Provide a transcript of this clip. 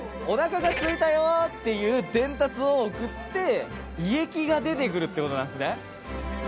おなかがすいたよっていう伝達を送って胃液が出てくるってことなんですね。